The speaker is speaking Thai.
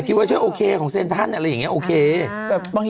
ที่ทุกคนใส่ที่ยังไงเลย